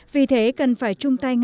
để tình trạng này